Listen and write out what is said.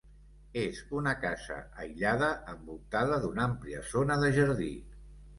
És una casa aïllada envoltada d'una àmplia zona de jardí.